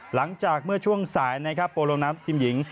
หลังจากเมื่อช่วงสายนะครับโปโลน้ำทีมหญิง